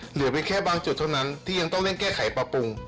เหลือไปแค่บางจุดเท่านั้นที่ยังต้องเร่งแก้ไขปรับปรุง